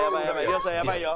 亮さんやばいよ。